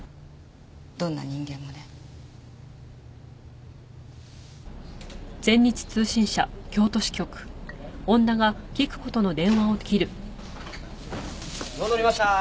どんな人間もね。戻りました！